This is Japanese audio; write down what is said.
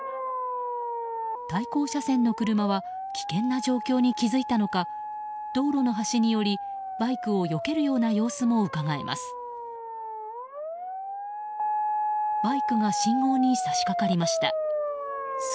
対向車線の車は危険な状況に気付いたのか道路の端に寄り、バイクをよけるような様子もうかがえます。